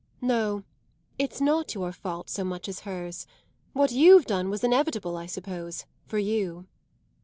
"No, it's not your fault so much as hers. What you've done was inevitable, I suppose, for you."